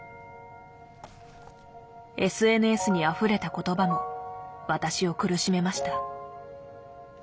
ＳＮＳにあふれた言葉も私を苦しめました。